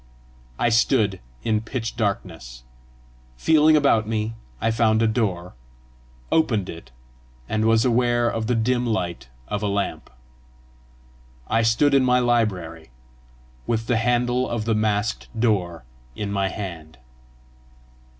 I stood in pitch darkness. Feeling about me, I found a door, opened it, and was aware of the dim light of a lamp. I stood in my library, with the handle of the masked door in my hand.